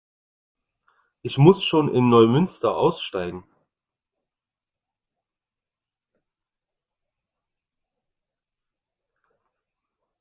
Ich muss schon in Neumünster aussteigen